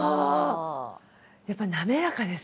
やっぱ滑らかですね。